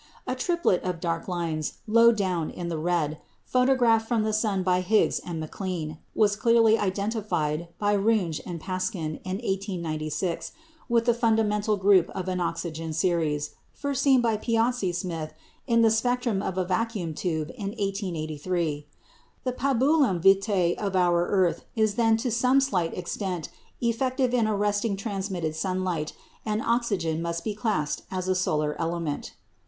A triplet of dark lines low down in the red, photographed from the sun by Higgs and McClean, was clearly identified by Runge and Paschen in 1896 with the fundamental group of an oxygen series, first seen by Piazzi Smyth in the spectrum of a vacuum tube in 1883. The pabulum vitæ of our earth is then to some slight extent effective in arresting transmitted sunlight, and oxygen must be classed as a solar element.